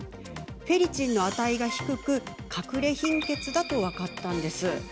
フェリチンの値が低くかくれ貧血だと分かったんです。